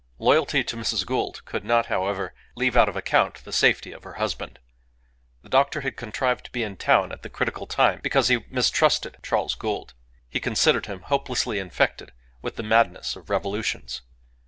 Loyalty to Mrs. Gould could not, however, leave out of account the safety of her husband. The doctor had contrived to be in town at the critical time because he mistrusted Charles Gould. He considered him hopelessly infected with the madness of revolutions.